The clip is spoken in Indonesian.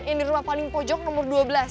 yang di rumah paling pojok nomor dua belas